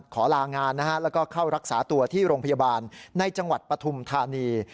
ขอลางานนะฮะแล้วก็เข้ารักษาตัวที่โรงพยาบาลในจังหวัดปฐุมธานี